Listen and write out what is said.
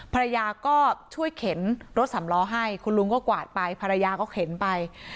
ภรรยาก็ช่วยเข็นรถสำล้อให้คุณลุงก็กวาดไปภรรยาก็เข็นไป